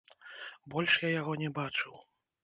Больш я яго не бачыў.